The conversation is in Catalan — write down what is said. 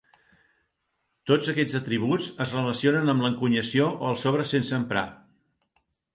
Tots aquests atributs es relacionen amb l'encunyació o els sobres sense emprar.